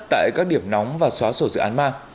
tại các điểm nóng và xóa sổ dự án ma